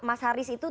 mas haris itu